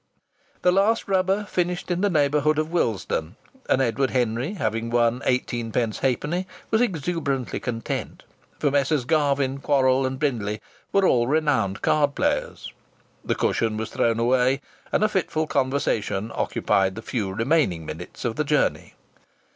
The last rubber finished in the neighbourhood of Willesden, and Edward Henry, having won eighteenpence halfpenny, was exuberantly content, for Messrs Garvin, Quorrall and Brindley were all renowned card players. The cushion was thrown away and a fitful conversation occupied the few remaining minutes of the journey.